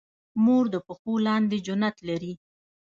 مور د پښو لاندې جنت لري